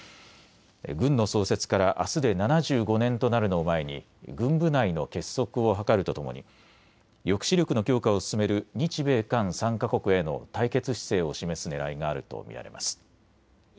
軍の創設からあすで７５年となるのを前に軍部内の結束を図るとともに抑止力の強化を進める日米韓３か国への対決姿勢を示すねらいがあると見られます。